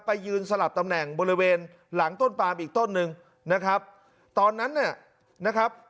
ไปยืนสลับตำแหน่งบริเวณหลังต้นปามอีกต้นหนึ่งนะครับตอนนั้นเนี่ยนะครับ